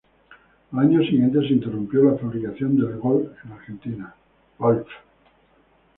Al año siguiente se interrumpió la fabricación del Gol en Argentina.